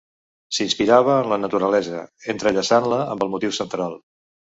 S'inspirava en la naturalesa, entrellaçant-la amb el motiu central.